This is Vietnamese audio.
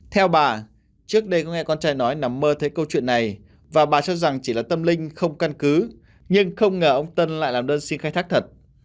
theo bà trước đây có hai con trai nói nằm mơ thấy câu chuyện này và bà cho rằng chỉ là tâm linh không căn cứ nhưng không ngờ ông tân lại làm đơn xin khai thác thật